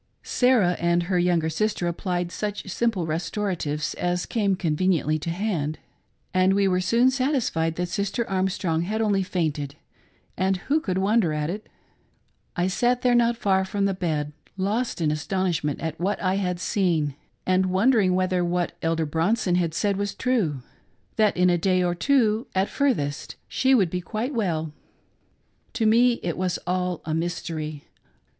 Sarah and her younger sister applied such simple restoratives as came conveniently to hand, and we were soon satisfied that Sister Armstrong had only fainted ; and who could wonder at it } I sat there, not far from the bed, lost in astonishment at what I had seen, and wondering whether what Elder Bronson had said was true — that in a day or two, at furthest, she would be quite well. To me it was all a mystery.